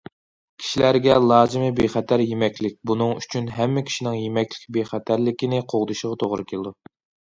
كىشىلەرگە لازىمى بىخەتەر يېمەكلىك، بۇنىڭ ئۈچۈن ھەممە كىشىنىڭ يېمەكلىك بىخەتەرلىكىنى قوغدىشىغا توغرا كېلىدۇ.